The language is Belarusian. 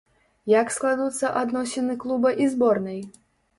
Як складуцца адносіны клуба і зборнай?